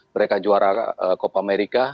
mereka juara copa america